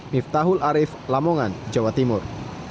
miftahul arief lamongan jawa timur